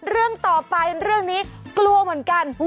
เรื่องต่อไปเรื่องนี้กลัวเหมือนกัน